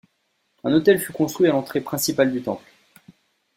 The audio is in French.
Un autel fut construit à l'entrée principale du temple.